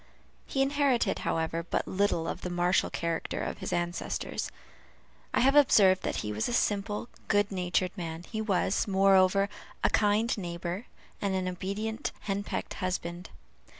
He inherited, however, but little of the martial character of his ancestors. I have observed that he was a simple, good natured man; he was, moreover, a kind neighbor, and an obedient henpecked husband.